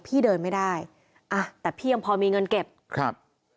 พี่เดินไม่ได้อ่ะแต่พี่ยังพอมีเงินเก็บครับ